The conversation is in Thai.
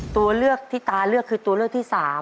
ตัวเลือกที่ตาเลือกคือตัวเลือกที่๓